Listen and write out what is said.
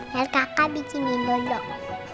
biar kakak bikin minum dong